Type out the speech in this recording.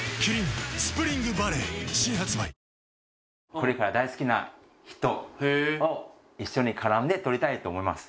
これから大好きな人を一緒に絡んで撮りたいと思います。